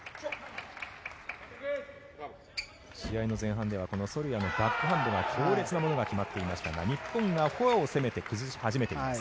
試合の前半ではソルヤのバックハンドが強烈なものが決まっていましたが日本がフォアを攻めて崩し始めています。